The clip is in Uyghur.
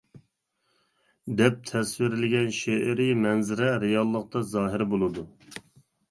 دەپ تەسۋىرلىگەن شېئىرىي مەنزىرە رېئاللىقتا زاھىر بولىدۇ.